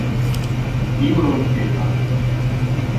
Io lo videva.